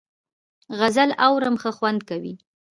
غزل اورم ښه خوند کوي .